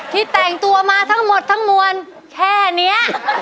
แต่งตัวมาทั้งหมดทั้งมวลแค่นี้